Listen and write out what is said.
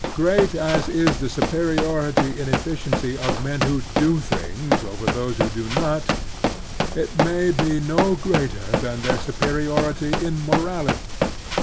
4 50 The Strenuous Life Great as is the superiority in efficiency of the men who do things over those who do not, it may be no greater than their superiority in moraKty.